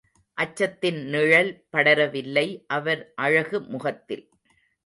அச்சத்தின் நிழல் படரவில்லை அவர் அழகு முகத்தில்.